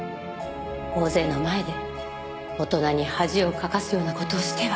大勢の前で大人に恥をかかすような事をしては。